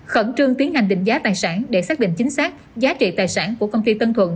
khẩn trương tiến hành định giá tài sản để xác định chính xác giá trị tài sản của công ty tân thuận